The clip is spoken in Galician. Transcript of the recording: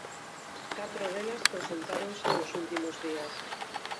Catro delas presentáronse nos últimos días.